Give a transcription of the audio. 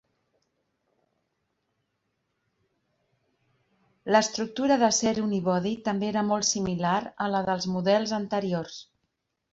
L'estructura d'acer unibody també era molt similar a la dels models anteriors.